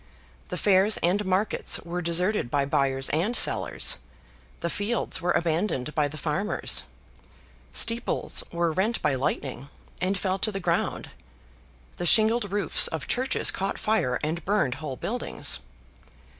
The fairs and markets were deserted by buyers and sellers; the fields were abandoned by the farmers; steeples were rent by lightning, and fell to the ground; the shingled roofs of churches caught fire and burned whole buildings.